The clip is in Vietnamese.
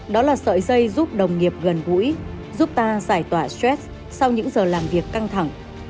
đó là sợi dây giúp đồng nghiệp gần gũi giúp ta giải tỏa stress sau những giờ làm việc căng thẳng